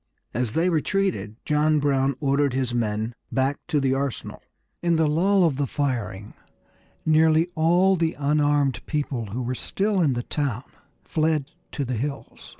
As they retreated John Brown ordered his men back to the arsenal. In the lull of the firing nearly all the unarmed people who were still in the town fled to the hills.